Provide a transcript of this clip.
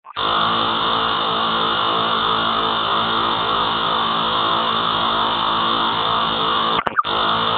فاریاب د افغانستان د ولایاتو په کچه توپیر لري.